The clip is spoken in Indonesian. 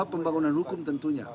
pembangunan hukum tentunya